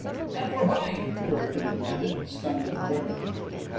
"And for why?" Courbertin demanded, stung to the quick.